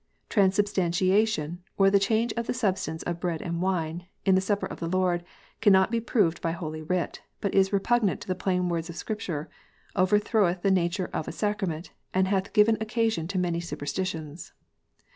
" Transubstantiation (or the change of the substance of bread and wine) in the Supper of the Lord, cannot be proved by holy Writ ; but is repugnant to the plain words of Scripture, over throweth the nature of a Sacrament, and hath given occasion to many superstitions.